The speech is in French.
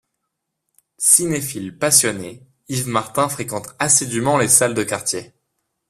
Cinéphile passionné, Yves Martin fréquente assidûment les salles de quartier.